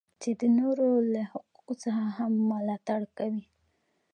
چې د نورو له حقوقو څخه هم ملاتړ کوي.